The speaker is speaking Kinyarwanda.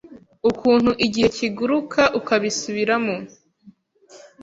Ukuntu igihe kigurukas ukabisubiramo